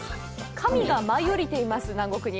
神が舞い降りています、南国に。